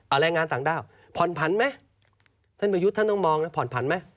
แรงงานต่างด้าวผ่อนผันไหมท่านประยุทธ์ท่านต้องมองนะผ่อนผันไหม